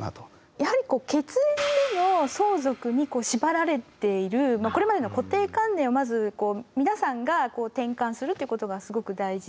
やはり血縁での相続に縛られているこれまでの固定観念をまず皆さんが転換するということがすごく大事で。